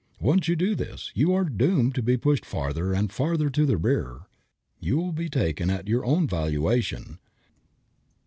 Once you do this you are doomed to be pushed farther and farther to the rear. You will be taken at your own valuation.